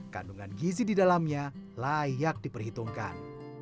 kandungan gizi di dalamnya layak diperhitungkan